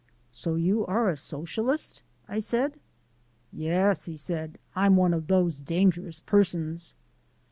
"So you are a Socialist," I said. "Yes," he answered. "I'm one of those dangerous persons."